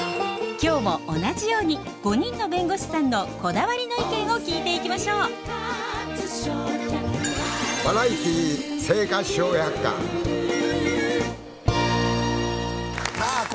今日も同じように５人の弁護士さんのこだわりの意見を聞いていきましょうさあ